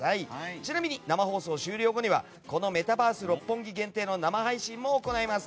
ちなみに生放送終了後にはこのメタバース六本木限定の生配信も行います。